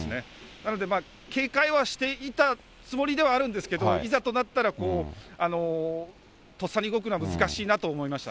なので、警戒はしていたつもりではあるんですけれども、いざとなったらとっさに動くのは難しいなと思いました。